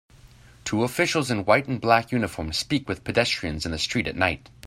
Two officials in white and black uniforms speak with pedestrians in the street at night.